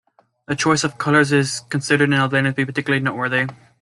The choice of colours is considered in Albania to be particularly noteworthy.